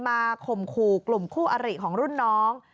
ข่มขู่กลุ่มคู่อริของรุ่นน้อง